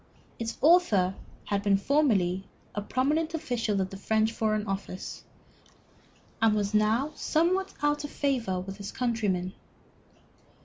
Its author had been formerly a prominent official of the French Foreign Office, and was now somewhat out of favor with his countrymen.